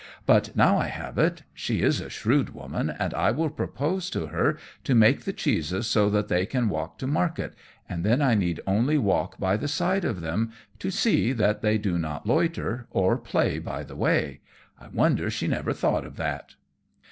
But now I have it; she is a shrewd woman, and I will propose to her to make the cheeses so that they can walk to market, and then I need only walk by the side of them, to see that they do not loiter or play by the way. I wonder she never thought of that."